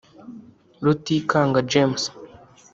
Rutikanga James